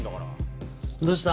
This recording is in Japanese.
どうした？